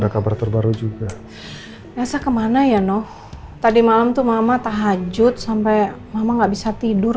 kabar terbaru juga saya kemana ya noh tadi malam tuh mama tahajud sampai mama nggak bisa tidur